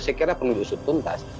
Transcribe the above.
saya kira perlu disuntuntas